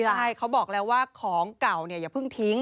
ใช่เขาบอกแล้วว่าของเก่าเนี่ยอย่าเพิ่งทิ้ง